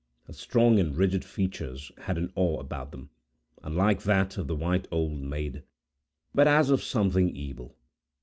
Her strong and rigid features had an awe about them, unlike that of the white Old Maid, but as of something evil.